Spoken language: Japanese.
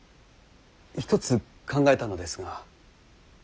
一つ考えたのですが。